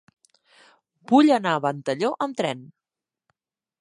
Vull anar a Ventalló amb tren.